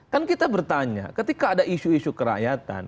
kan kita bertanya ketika ada isu isu kerakyatan